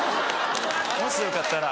もしよかったら。